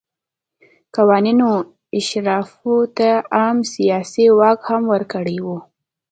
قوانینو اشرافو ته عام سیاسي واک هم ورکړی و.